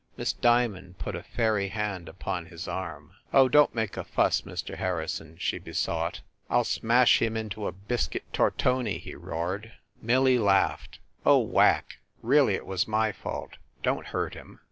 Miss Diamond put a fairy hand upon his arm. "Oh, don t make a fuss, Mr. Harrison !" she be sought. "I ll smash him into a biscuit Tortoni !" he roared. THE CAXTON DINING ROOM 163 Millie laughed. "Oh, Whack, really it was my fault! Don t hurt him